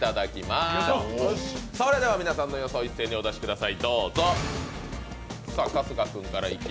それでは皆さんの予想一斉にお出しください。